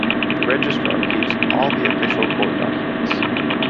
The registrar keeps all the official court documents.